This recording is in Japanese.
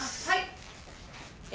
はい。